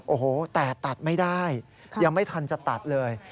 โอ้โหแต่ตัดไม่ได้ยังไม่ทันจะตัดเลย